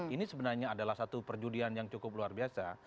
ini sebenarnya adalah satu perjudian yang cukup luar biasa